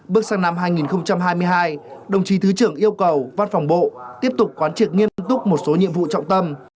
bước sang năm hai nghìn hai mươi hai đồng chí thứ trưởng yêu cầu văn phòng bộ tiếp tục quán triệt nghiêm túc một số nhiệm vụ trọng tâm